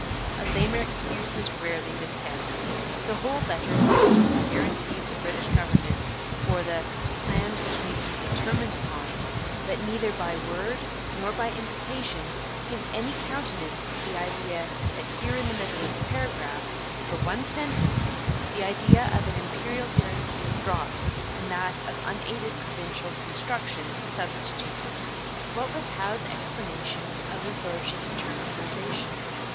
A lamer excuse has rarely been penned. The whole letter deals with the guarantee of the British government for 'the plan which may be determined upon,' and neither by word nor by implication gives any countenance to the idea that here in the middle of the paragraph, for one sentence, the idea of an Imperial guarantee is dropped and that of unaided provincial construction substituted. What was Howe's explanation of his Lordship's tergiversation?